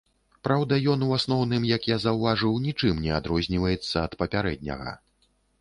Праўда, ён, у асноўным, як я заўважыў, нічым не адрозніваецца ад папярэдняга.